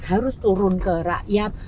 harus turun ke rakyat